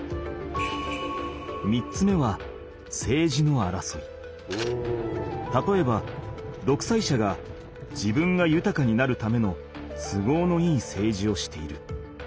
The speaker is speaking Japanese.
３つ目はたとえばどくさい者が自分がゆたかになるための都合のいい政治をしている。